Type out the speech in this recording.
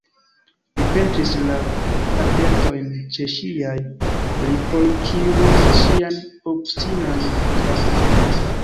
Mi pentris la faldetojn ĉe ŝiaj lipoj, kiuj montris ŝian obstinan karakteron.